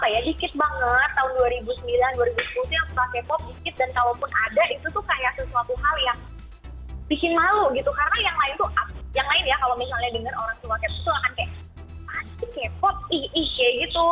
yang bikin maluh gitu karena yang clinical itu aku unique gitu